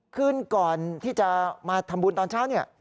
ขึ้นก่อนที่จะมาทำบุญตอนเช้า